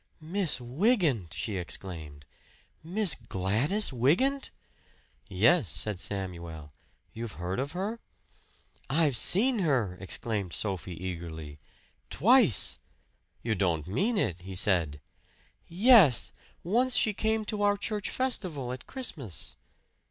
"Miss Wygant!" she exclaimed. "Miss Gladys Wygant?" "Yes," said Samuel. "You've heard of her?" "I've seen her!" exclaimed Sophie eagerly. "Twice!" "You don't mean it," he said. "Yes. Once she came to our church festival at Christmas."